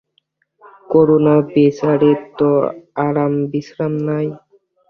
করূণা বেচারির তো আরাম বিশ্রাম নাই।